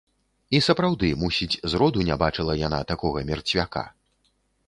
І сапраўды, мусіць зроду не бачыла яна такога мерцвяка.